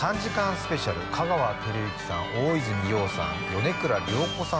スペシャル香川照之さん大泉洋さん米倉涼子さん